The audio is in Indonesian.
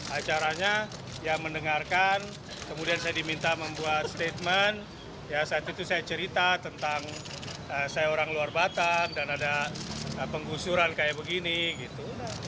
acaranya ya mendengarkan kemudian saya diminta membuat statement ya saat itu saya cerita tentang saya orang luar batam dan ada penggusuran kayak begini gitu